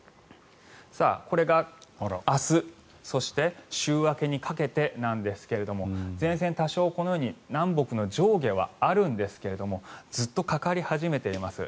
これが明日そして週明けにかけてなんですが前線、多少このように南北の上下はあるんですがずっとかかり始めています。